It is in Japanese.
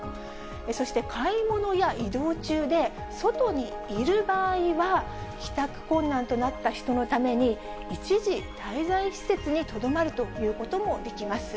そして買い物や移動中で外にいる場合は、帰宅困難となった人のために、一時滞在施設にとどまるということもできます。